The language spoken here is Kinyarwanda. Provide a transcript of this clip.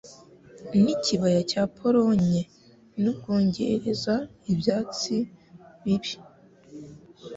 N'ikibaya cya Polonye, n'Ubwongereza ibyatsi bibi,